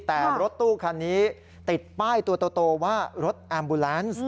แต่รถตู้คันนี้ติดป้ายตัวโตว่ารถแอมบูแลนซ์